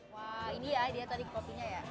wah ini ya dia tadi kopinya ya